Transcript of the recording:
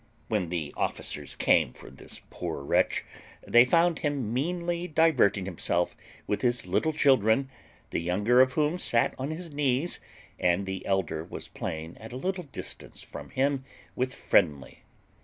When the officers came for this poor wretch they found him meanly diverting himself with his little children, the younger of whom sat on his knees, and the elder was playing at a little distance from him with Friendly.